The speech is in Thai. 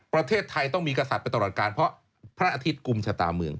ประเทศไทยต้องมีกษัตริย์ไปตลอดการเพราะพระอาทิตย์กลุ่มชะตาเมือง